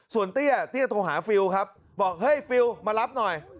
ส่วนเตี้ยเตี้ยโทรหาฟิลครับบอกเฮ้ยฟิลมารับหน่อย